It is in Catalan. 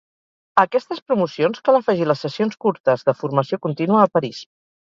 A aquestes promocions, cal afegir les sessions curtes de formació contínua a París.